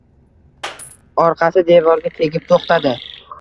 Orqasi devorga tegib to‘xtadi.